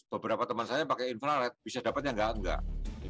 beberapa teman saya pakai infrared bisa dapatnya atau tidak